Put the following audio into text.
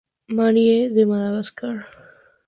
Marie de Madagascar.